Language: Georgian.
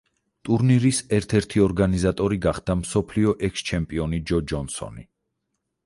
ტურნირის ერთ-ერთი ორგანიზატორი გახდა მსოფლიოს ექს-ჩემპიონი ჯო ჯონსონი.